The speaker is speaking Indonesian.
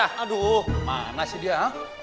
aduh mana sih dia